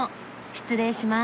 失礼します。